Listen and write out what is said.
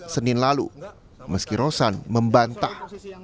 senin lalu meski rosan membantah